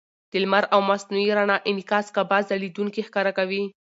د لمر او مصنوعي رڼا انعکاس کعبه ځلېدونکې ښکاره کوي.